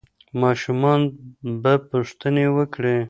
ماشومان به پوښتنې وکړي.